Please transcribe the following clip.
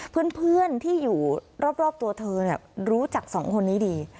เพื่อนที่อยู่รอบตัวเธอรู้จักสองคนนี้ดี